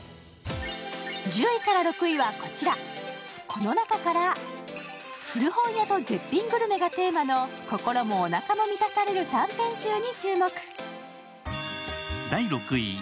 この中から、古本屋と絶品グルメがテーマの心もおなかも満たされる短編集に注目。